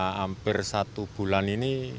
hampir satu bulan ini